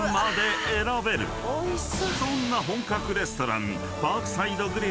［そんな本格レストラン］